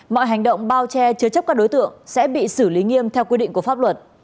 mọi hành động bao che chứa chấp các đối tượng sẽ bị xử lý nghiêm theo quy định của pháp luật